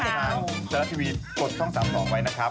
ทางไทยรัฐทีวีกดช่อง๓๒ไว้นะครับ